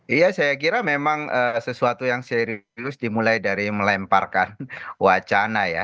iya saya kira memang sesuatu yang serius dimulai dari melemparkan wacana ya